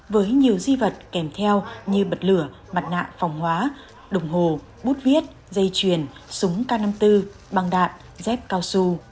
với nhiều di vật kèm theo như bật lửa mặt nạ phòng hóa đồng hồ bút viết dây chuyền súng k năm mươi bốn băng đạn dép cao su